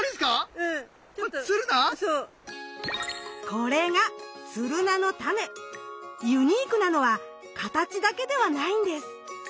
これがユニークなのは形だけではないんです。